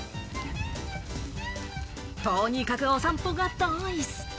とにかくお散歩が大好き。